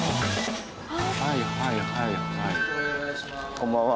こんばんは。